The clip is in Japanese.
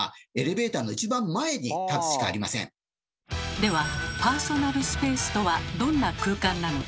ではパーソナルスペースとはどんな空間なのか？